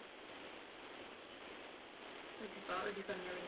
Kromě toho se podílel na komiksu "Ultimate Iron Man" pro Marvel Comics.